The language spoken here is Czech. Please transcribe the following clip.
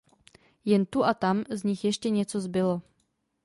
Jen tu a tam z nich ještě něco zbylo.